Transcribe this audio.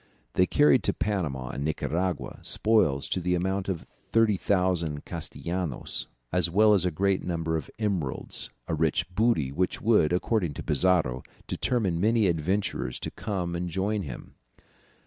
They carried to Panama and Nicaragua spoils to the amount of 30,000 castellanos, as well as a great number of emeralds, a rich booty, which would, according to Pizarro, determine many adventurers to come and join him.